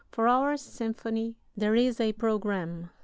For our symphony there is a programme.